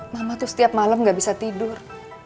mama tuh setiap malam gak bisa tidur